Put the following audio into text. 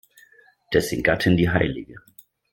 Dessen Gattin, die hl.